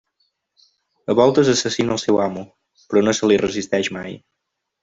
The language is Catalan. A voltes assassina el seu amo, però no se li resisteix mai.